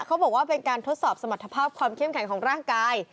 เขาบอกว่าเป็นการทดสอบสมรรถภาพความเข้มแข็งของร่างกาย